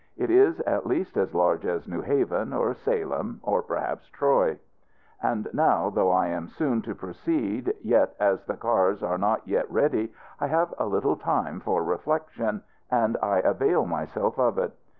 It is at least as large as New Haven, or Salem, or, perhaps, Troy. And now, though I am soon to proceed, yet as the cars are not yet ready, I have a little time for reflection, and I avail myself of it.